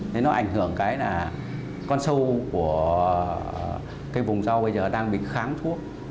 nên nó ảnh hưởng cái là con sâu của cái vùng rau bây giờ đang bị kháng thuốc